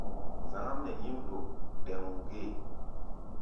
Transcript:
Zaŋ-ám nɛ nyím ɗo ɗɛ̧́ú̧ gée.